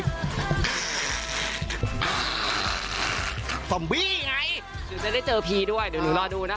จึงจะได้เจอพีชด้วยเดี๋ยวหนูรอดูนะคะ